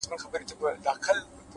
د حقیقت رڼا د فریب پردې څیروي’